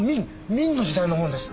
明の時代のものです。